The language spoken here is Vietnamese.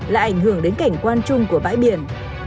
lại ảnh hưởng đến cảnh quan trung của bãi biển